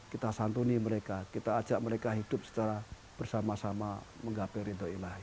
kita santuni mereka kita ajak mereka hidup secara bersama sama menggapai ridho ilahi